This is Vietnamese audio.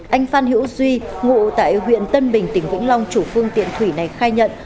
anh phan hữu duy ngụ tại huyện tân bình tỉnh vĩnh long chủ phương tiện thủy này khai nhận